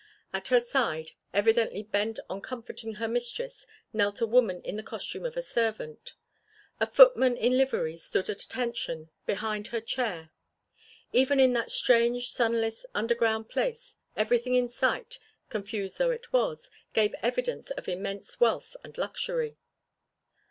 At her side, evidently bent on comforting her mistress, knelt a woman in the costume of a servant. A footman in livery stood at attention behind her chair. Even in that strange, sunless, underground place, everything in sight, confused though it was, gave evidence of immense wealth and luxury.